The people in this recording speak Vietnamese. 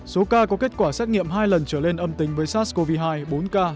số ca có kết quả xét nghiệm hai lần trở lên âm tính với sars cov hai bốn ca